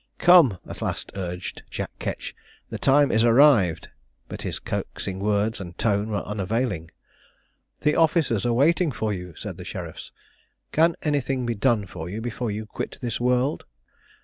"Come," at last urged Jack Ketch, "the time is arrived;" but his coaxing words and tone were unavailing. "The officers are waiting for you," said the sheriffs; "can anything be done for you before you quit this world?"